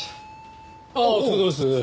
ああお疲れさまです。